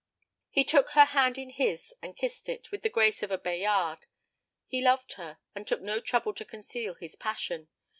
He took her hand in his, and kissed it, with the grace of a Bayard. He loved her, and took no trouble to conceal his passion.